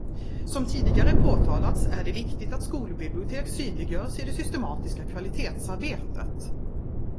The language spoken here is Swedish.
Som tidigare påtalats är det viktigt att skolbibliotek synliggörs i det systematiska kvalitetsarbetet.